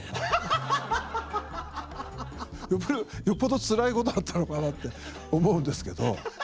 よっぽどつらいことあったのかなって思うんですけど。